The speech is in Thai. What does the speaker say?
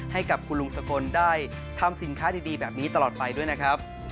ให้กับคุณลุงสกลได้ทำสินค้าดีแบบนี้ตลอดไปด้วยนะครับ